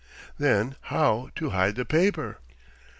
Then how to hide the paper?